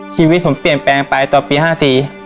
ชีวิตผมเปลี่ยนแปลงไปต่อปีห้าสี่